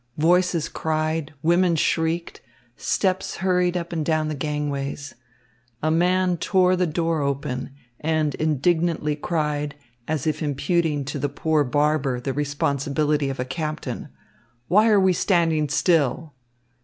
Voices cried, women shrieked, steps hurried up and down the gangways. A man tore the door open and indignantly cried, as if imputing to the poor barber the responsibility of a captain: "Why are we standing still?"